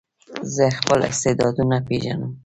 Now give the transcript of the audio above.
زه خپل استعدادونه پېژنم.